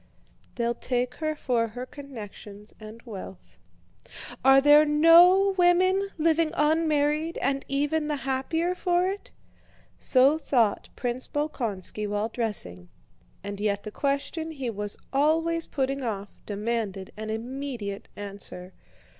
They'll take her for her connections and wealth. Are there no women living unmarried, and even the happier for it?" So thought Prince Bolkónski while dressing, and yet the question he was always putting off demanded an immediate answer.